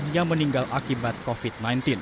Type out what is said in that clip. yang meninggal akibat covid sembilan belas